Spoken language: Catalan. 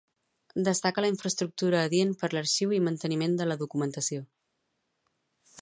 Destaca la infraestructura adient per l'arxiu i manteniment de la documentació.